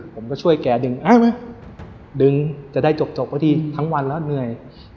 ผมก็ช่วยแกดึงจะได้จบพอดีทั้งวันแล้วเหนื่อย